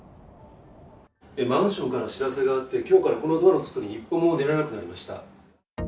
マンションから知らせがあって、きょうから、このドアの外に一歩も出られなくなりました。